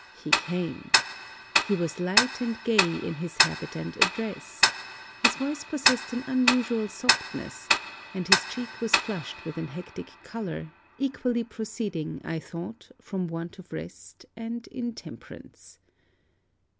He came. He was light and gay in his habit and address. His voice possessed an unusual softness; and his cheek was flushed with an hectic colour, equally proceeding, I thought, from want of rest and intemperance.